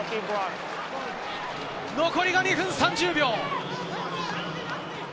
残り２分３０秒。